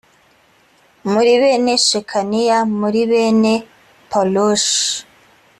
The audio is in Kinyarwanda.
muri bene shekaniya muri bene paroshi